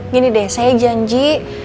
gini deh saya janji